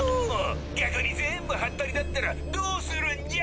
逆に全部ハッタリだったらどうするんじゃ！